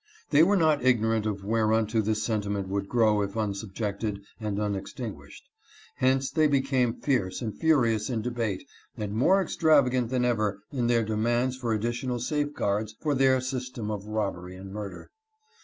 They were not ignorant of whereunto this sentiment would grow if unsubjected and unextinguished. Hence they became fierce and furious in debate, and more extravagant than ever in their demands for additional safeguards for their system of robbery and murder. 346 MASON AND WEBSTER.